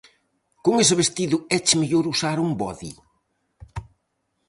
Con ese vestido éche mellor usar un bodi.